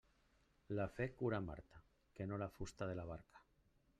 La fe curà Marta, que no la fusta de la barca.